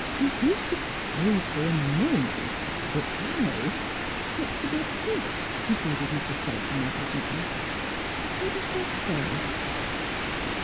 '' Do you suppose for a moment that I "" It's adopted," conceded Mrs. Salter, negli gently. " I thought I said so."